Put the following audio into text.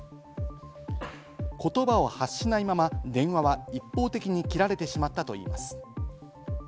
言葉を発しないまま電話は一方的に切られてしまったといいます。